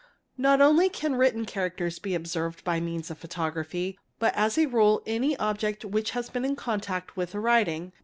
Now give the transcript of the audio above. Tir, A Se LAN ST SRA LS olla Not only can written characters be observed by means of photography but as a rule any object which has been in contact with a writing.